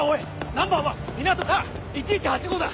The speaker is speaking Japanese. ナンバーは「みなとか１１−８５」だ！